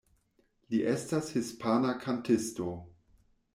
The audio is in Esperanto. Li estas hispana kantisto.